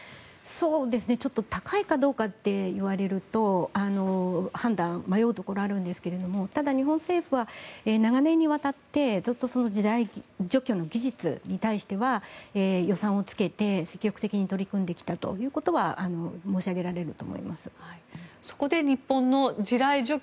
ちょっと高いかどうかって言われると判断に迷うところがあるんですがただ、日本政府は長年にわたってずっと地雷除去の技術に対しては予算をつけて積極的に取り組んできたということはそこで日本の地雷除去